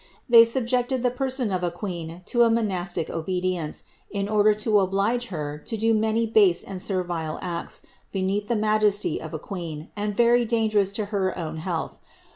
They subjected the person of the qveen to a monastic obedience, in order to oblige her to do many base and senrile acts, beneath the majesty of a queen, and very dangerous to her owa health.